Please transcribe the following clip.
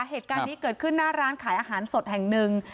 เหตุการณ์นี้เกิดขึ้นหน้าร้านขายอาหารสดแห่งหนึ่ง